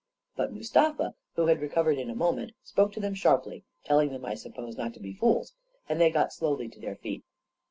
But Mustafa, who had recovered in a moment, spoke to them sharply, telling them, I suppose, not 15a A KING IN BABYLON 153 to be fools, and they got slowly to their feet.